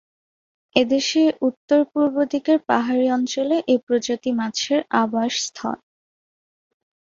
এদেশের উত্তর-পূর্ব দিকের পাহাড়ি অঞ্চলে এ প্রজাতি মাছের আবাসস্থল।